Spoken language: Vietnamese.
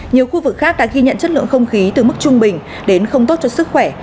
nhiều khu vực khác đã ghi nhận chất lượng không khí từ mức trung bình đến không tốt cho sức khỏe